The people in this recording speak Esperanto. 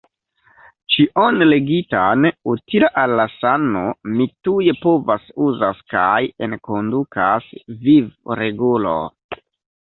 Ĉion legitan utila al la sano mi tuj provas-uzas kaj enkondukas vivregulo.